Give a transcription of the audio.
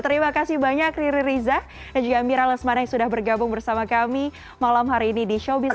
terima kasih banyak riri riza dan juga mira lesmana yang sudah bergabung bersama kami malam hari ini di showbiz